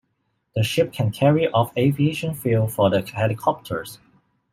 The ship can carry of aviation fuel for the helicopters.